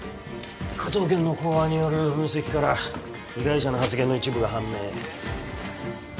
科捜研の口話による分析から被害者の発言の一部が判明